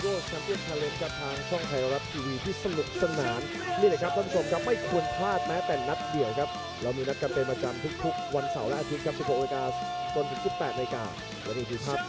เอาละครับวันนี้ทบเบี้ยสุวรรณิชย์สุข่าวนี้นะครับ